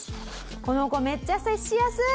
この子めっちゃ接しやすい！